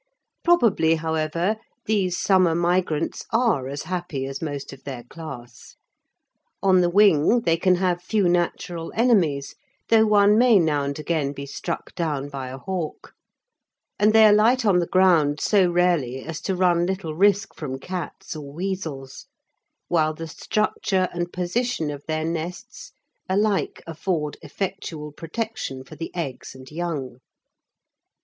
Probably, however, these summer migrants are as happy as most of their class. On the wing they can have few natural enemies, though one may now and again be struck down by a hawk; and they alight on the ground so rarely as to run little risk from cats or weasels, while the structure and position of their nests alike afford effectual protection for the eggs and young.